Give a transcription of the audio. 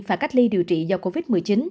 và cách ly điều trị do covid một mươi chín